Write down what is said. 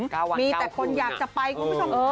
๙วัน๙คืนนะครับมีแต่คนอยากจะไปครับคุณผู้ชม